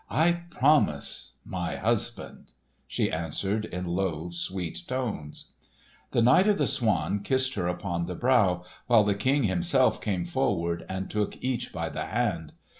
"I promise—my husband!" she answered in low, sweet tones. The Knight of the Swan kissed her upon the brow, while the King himself came forward and took each by the hand.